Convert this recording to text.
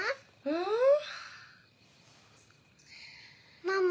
うん？